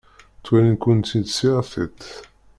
Ttwalin-kent-id s yir tiṭ.